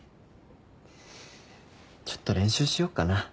ちょっと練習しよっかな。